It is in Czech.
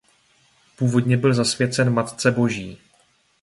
Původně byl zasvěcen Matce Boží.